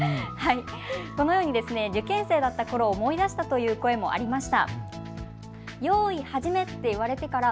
このように受験生だったころを思い出したという声もありました。